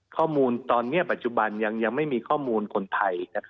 ข้อมูลตอนนี้ปัจจุบันยังไม่มีข้อมูลคนไทย